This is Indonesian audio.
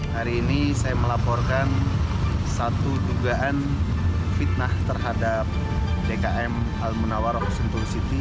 hari ini saya melaporkan satu dugaan fitnah terhadap dkm al munawarroq sentul siti